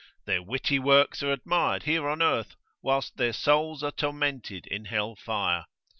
Their witty works are admired here on earth, whilst their souls are tormented in hell fire.